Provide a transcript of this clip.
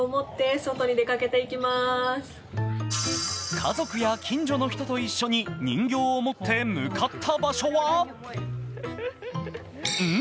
家族や近所の人と一緒に人形を持って向かった場所はん？